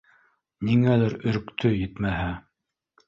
Ниңәлер өрктө, етмәһә